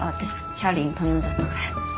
チャーリーに頼んじゃったから。